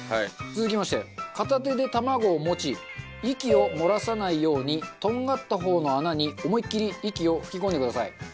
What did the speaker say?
続きまして片手で卵を持ち息を漏らさないようにとんがった方の穴に思いっきり息を吹き込んでください。